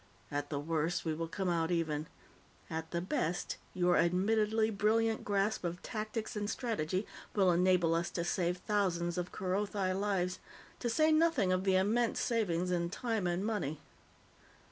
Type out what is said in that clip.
At the worst, we will come out even. At the best, your admittedly brilliant grasp of tactics and strategy will enable us to save thousands of Kerothi lives, to say nothing of the immense savings in time and money."